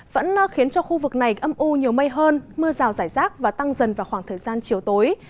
vẫn khiến cho khu vực này âm u nhiều mây hơn mưa rào rải rác và tăng dần vào khoảng thời gian chiều tối